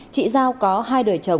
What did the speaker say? chị giao có hai đời vợ và bảy người con